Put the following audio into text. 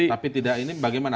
tapi tidak ini bagaimana